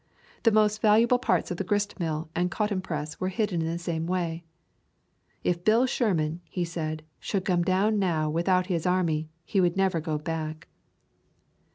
The most valuable parts of the grist mill and cotton press were hidden in the same way. "If Bill Sherman," he said, "should come down now without his army, he would never go back."